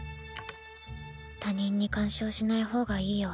他人に干渉しない方がいいよ。